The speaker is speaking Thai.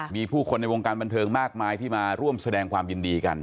มีผู้คนในวงการบันเทิงมากมายที่มาร่วมแสดงความยินดีกัน